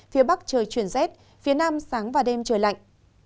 phía bắc trời chuyển rét phía nam sáng và đêm trời lạnh